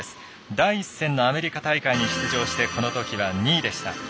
第１戦のアメリカ大会に出場してこのときは２位でした。